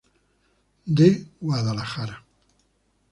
De Guadalajara.